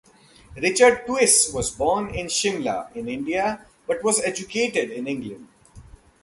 Richard Twiss was born in Simla in India but was educated in England.